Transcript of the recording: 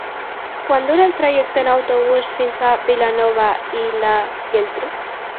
Quant dura el trajecte en autobús fins a Vilanova i la Geltrú?